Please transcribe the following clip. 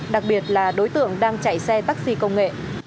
đặc biệt là đối tượng đang chạy xe taxi công nghệ